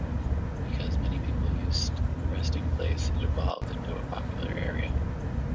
Because many people used the resting place, it evolved into a popular area.